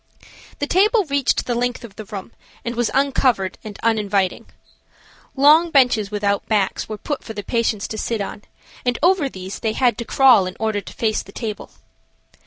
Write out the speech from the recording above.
The table reached the length of the room and was uncovered and uninviting. Long benches without backs were put for the patients to sit on, and over these they had to crawl in order to face the table.